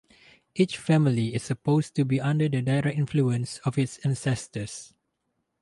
Each family is supposed to be under the direct influence of its ancestors.